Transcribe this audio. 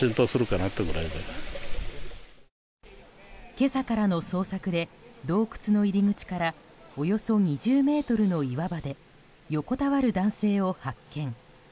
今朝からの捜索で洞窟の入り口からおよそ２０ｍの岩場で横たわる男性を発見。